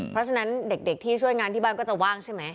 เพราะฉะนั้นเด็กที่ช่วยงานที่บ้านก็จะว่างใช่ไหม